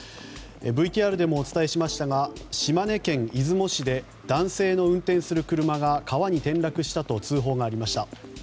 ＶＴＲでもお伝えしましたが島根県出雲市で男性の運転する車が川に転落したと通報がありました。